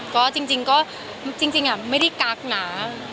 ก็จริงก็จริงไม่ได้กักนะ